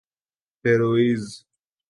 فیروئیز